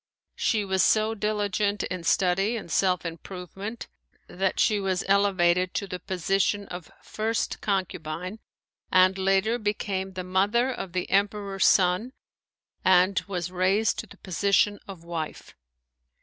She was so diligent in study and self improvement that she was elevated to the position of first concubine and later became the mother of the Emperor's son and was raised to the position of wife.